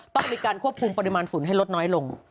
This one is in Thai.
ต้องมีการควบคุมปริมาณฝนให้ลดน้อยลง